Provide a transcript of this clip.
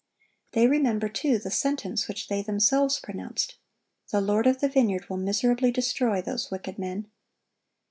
They remember, too, the sentence which they themselves pronounced: The lord of the vineyard "will miserably destroy those wicked men."